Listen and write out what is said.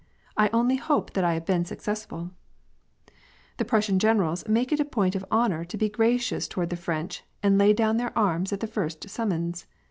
I only hope that I liave been successful !" The Prussian generals make it a point of honor to be gracious toward the French and lay down their arms at the first summons.